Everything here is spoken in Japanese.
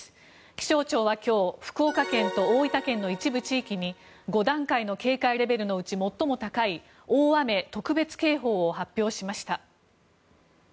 気象庁は今日福岡県と大分県の一部地域に５段階の警戒レベルのうち最も高い大雨特別警報を発表しました。